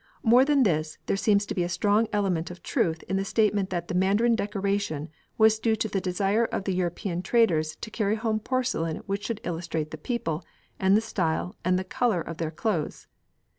More than this, there seems to be a strong element of truth in the statement that the Mandarin decoration was due to the desire of the European traders to carry home porcelain which should illustrate the people, and the style and the colour of their clothes.